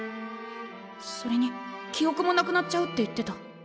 それにきおくもなくなっちゃうって言ってた。